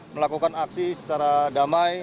melakukan aksi secara damai